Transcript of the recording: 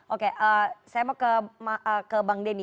oke saya mau ke bang denny